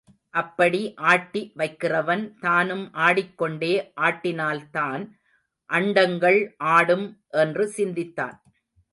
அப்படி ஆட்டி வைக்கிறவன் தானும் ஆடிக் கொண்டே ஆட்டினால்தான் அண்டங்கள் ஆடும் என்று சிந்தித்தான்.